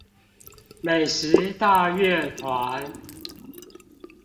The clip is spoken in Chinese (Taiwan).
美食大樂團